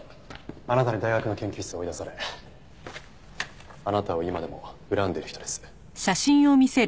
あなたに大学の研究室を追い出されあなたを今でも恨んでる人です。